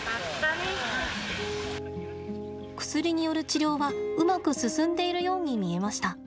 薬による治療は、うまく進んでいるように見えました。